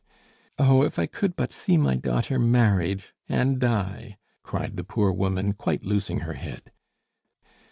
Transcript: "Oh, if I could but see my daughter married, and die!" cried the poor woman, quite losing her head.